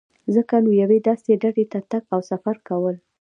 ځکه نو یوې داسې ډډې ته تګ او سفر کول.